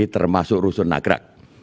termasuk rusun nagra